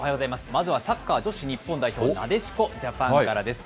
まずは、サッカー女子日本代表、なでしこジャパンからです。